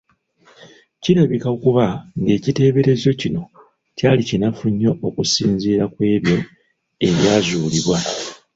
Kirabika okuba nga ekiteeberezo kino kyali kinafu nnyo okusinziira kw’ebyo ebyazuulibwa.